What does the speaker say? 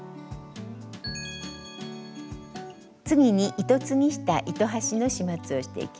次に糸継ぎした糸端の始末をしていきます。